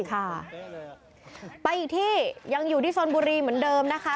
ค่ะไปอีกที่ยังอยู่ที่ชนบุรีเหมือนเดิมนะคะ